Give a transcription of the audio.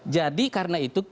jadi karena itu